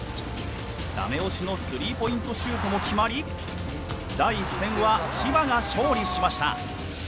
だめ押しのスリーポイントシュートも決まり第１戦は千葉が勝利しました。